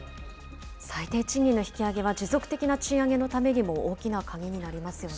最低賃金の引き上げは、持続的な賃上げのためにも大きな鍵になりますよね。